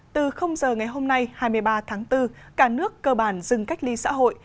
từ giờ ngày hôm nay hai mươi ba tháng bốn cả nước cơ bản dừng cách ly xã hội